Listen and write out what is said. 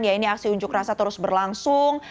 ya ini aksi unjuk rasa terus berlangsung